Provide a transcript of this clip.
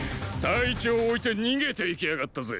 隊長置いて逃げていきやがったぜ！